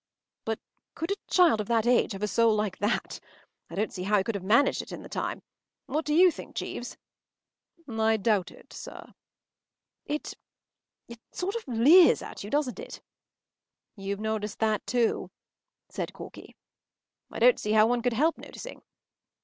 ” “But could a child of that age have a soul like that? I don’t see how he could have managed it in the time. What do you think, Jeeves?” “I doubt it, sir.” “It—it sorts of leers at you, doesn’t it?” “You’ve noticed that, too?” said Corky. “I don’t see how one could help noticing.